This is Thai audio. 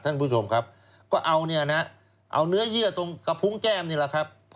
ท่านผู้ชมครับก็เอาเนี่ยนะเอาเนื้อเยื่อตรงกระพุงแก้มนี่แหละครับ